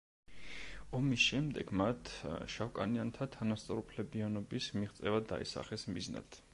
ომის შემდეგ მათ შავკანიანთა თანასწორუფლებიანობის მიღწევა დაისახეს მიზნად.